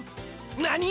何！